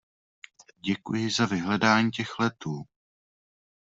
Děkuji za vyhledání těch letů.